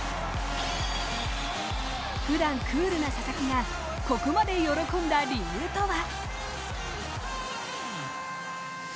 ふだんクールな佐々木がここまで喜んだ理由とは。